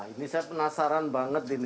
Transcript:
ini saya penasaran banget ini